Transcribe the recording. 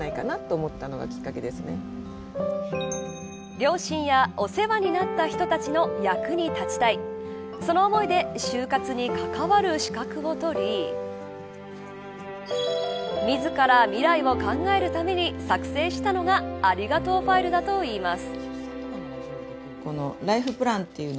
両親やお世話になった人たちの役に立ちたいその思いで終活に関わる資格を取り自ら未来を考えるために作成したのがありがとうファイルだといいます。